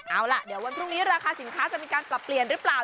เอาล่ะเดี๋ยววันพรุ่งนี้ราคาสินค้าจะมีการปรับเปลี่ยนหรือเปล่า